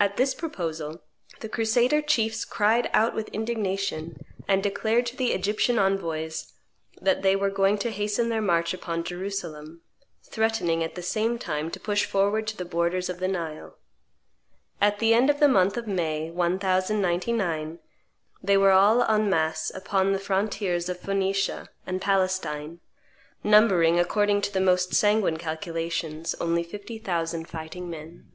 At this proposal the crusader chiefs cried out with indignation, and declared to the Egyptian envoys that they were going to hasten their march upon Jerusalem, threatening at the same time to push forward to the borders of the Nile. At the end of the month of flay, 1099, they were all masse upon the frontiers of Phoenicia and Palestine, numbering according to the most sanguine calculations, only fifty thousand fighting men.